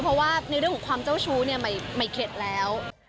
เพราะว่าในเรื่องของความเจ้าชู้เนี่ยไม่เข็ดแล้ว